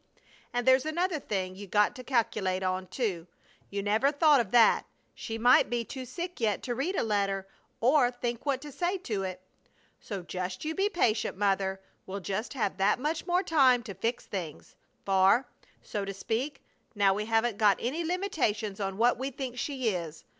And there's another thing you got to calcl'ate on, too! You never thought of that! She might be too sick yet to read a letter, or think what to say to it! So just you be patient, Mother! We'll just have that much more time to fix things; for, so to speak, now we haven't got any limitations on what we think she is.